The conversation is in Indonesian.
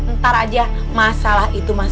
ntar aja masalah itu mas